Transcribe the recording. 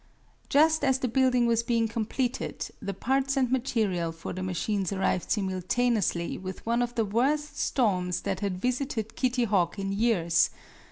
Just as the building was being completed, the parts and material for the machines arrived simultaneously with one of the worst storms that had visited Kitty Hawk in years.